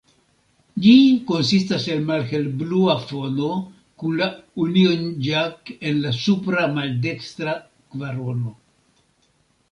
Ĝi konsistas el malhelblua fono, kun la Union Jack en la supra maldekstra kvarono.